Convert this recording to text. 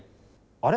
あれ？